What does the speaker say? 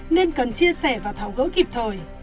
nên cần chia sẻ và tháo gỡ kịp thời